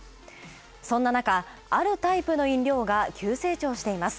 そんななか、あるタイプの飲料が急成長しています。